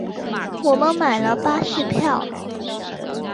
我们买了巴士票